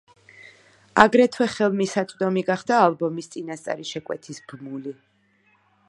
აგრეთვე ხელმისაწვდომი გახდა ალბომის წინასწარი შეკვეთის ბმული.